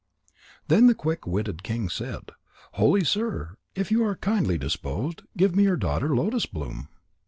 Then the quick witted king said: "Holy sir, if you are kindly disposed, give me your daughter Lotus bloom."